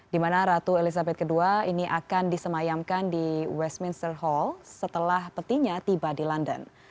di mana ratu elizabeth ii ini akan disemayamkan di westminster hall setelah petinya tiba di london